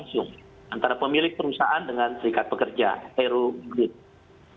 nah saya hanya meminta dan mengarahkan kepada kawan kawan serikat pekerja ada beberapa hal yang harus disampaikan secara terbuka